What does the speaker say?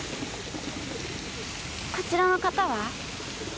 こちらの方は？